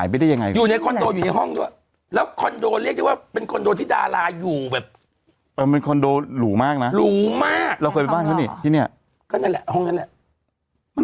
บ้านก็นี่ที่เนี้ยก็นั่นแหละห้องนั้นแหละมันหายไปได้ยังไงวะ